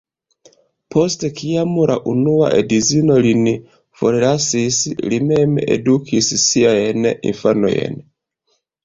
Post kiam la unua edzino lin forlasis li mem edukis siajn infanojn.